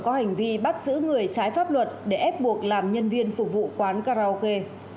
có hành vi bắt giữ người trái pháp luật để ép buộc làm nhân viên phục vụ quán karaoke